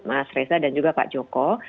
mas reza dan juga pak joko